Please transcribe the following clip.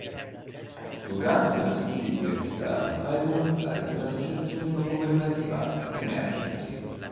Durante gli studi universitari fa il volontario per l'associazione non governativa Emergency.